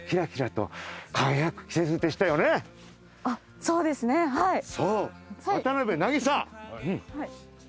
あっそうですねはい。